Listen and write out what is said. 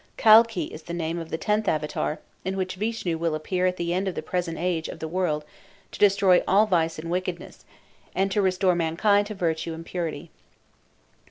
Kalki is the name of the tenth Avatar, in which Vishnu will appear at the end of the present age of the world to destroy all vice and wickedness, and to restore mankind to virtue and purity.